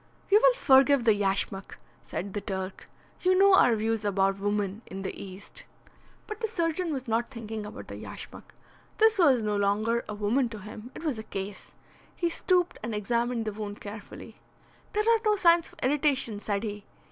"You will forgive the yashmak," said the Turk. "You know our views about woman in the East." But the surgeon was not thinking about the yashmak. This was no longer a woman to him. It was a case. He stooped and examined the wound carefully. "There are no signs of irritation," said he.